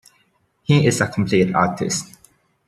He is a complete artist.